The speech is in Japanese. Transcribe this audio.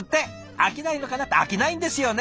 飽きないのかなって飽きないんですよね？